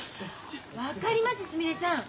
分かりますすみれさん。